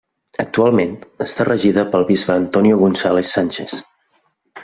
Actualment està regida pel bisbe Antonio González Sánchez.